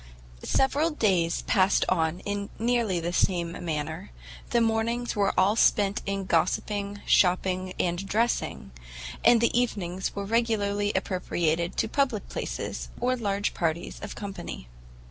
Several days passed on nearly in the same manner; the mornings were all spent in gossipping, shopping and dressing, and the evenings were regularly appropriated to public places, or large parties of company.